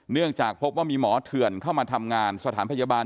เนื่องจากพบว่ามีหมอเถื่อนเข้ามาทำงานสถานพยาบาล